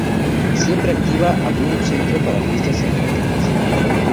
Siempre activa, abrió un centro para fiestas infantiles.